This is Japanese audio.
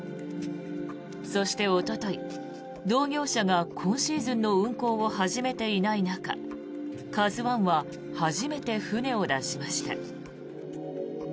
そして、おととい同業者が今シーズンの運航を始めていない中「ＫＡＺＵ１」は初めて船を出しました。